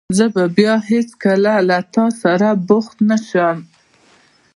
زه به بیا هېڅکله له تاسره بوخت نه شم.